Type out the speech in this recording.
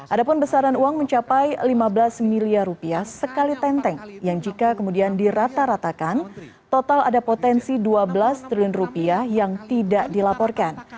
ada pun besaran uang mencapai lima belas miliar rupiah sekali tenteng yang jika kemudian dirata ratakan total ada potensi dua belas triliun rupiah yang tidak dilaporkan